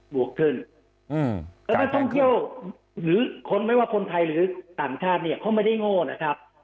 บวกขึ้นหรือคนไม่ว่าคนไทยหรือเป็นเท่าเนี่ยเข้าไม่ได้โง่นะครับ